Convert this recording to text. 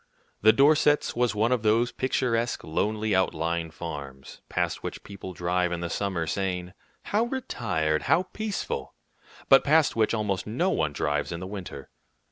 The Dorsets' was one of those picturesque, lonely, outlying farms, past which people drive in the summer, saying, "How retired! how peaceful!" but past which almost no one drives in the winter.